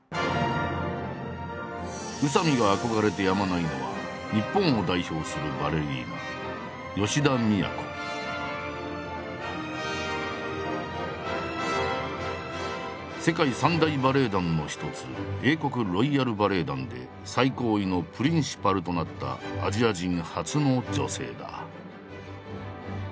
宇佐見が憧れてやまないのは日本を代表するバレリーナ世界三大バレエ団の一つ英国ロイヤル・バレエ団で最高位のプリンシパルとなったアジア人初の女性だ。